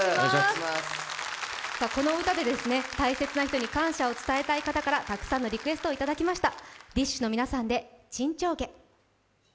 この歌で大切な人に感謝を伝えたい方からたくさんのリクエストをいただきました。